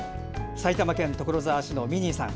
埼玉県所沢市のミニーさん。